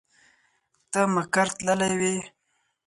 ته مقر تللی وې.